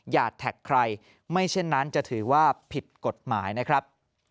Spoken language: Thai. แท็กใครไม่เช่นนั้นจะถือว่าผิดกฎหมายนะครับ